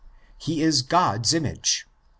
He is God's image (iv.